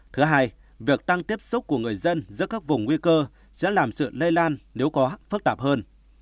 thứ hai việc tăng tiếp xúc của người dân giữa các vùng nguy cơ sẽ làm sự lây lan nếu có phức tạp hơn